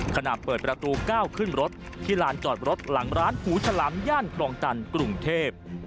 ขณะเปิดประตูก้าวขึ้นรถที่ลานจอดรถหลังร้านหูฉลามย่านครองจันทร์กรุงเทพ